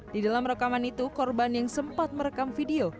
di dalam rekaman itu korban yang sempat merekam video